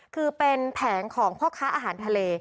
คือเป็นแผงของพ่อค้าอาหารทะเล